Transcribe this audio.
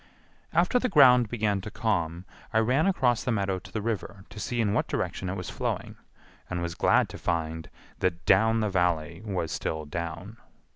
After the ground began to calm I ran across the meadow to the river to see in what direction it was flowing and was glad to find that down the Valley was still down.